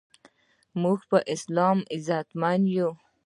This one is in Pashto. مونږ په اسلام عزتمند یو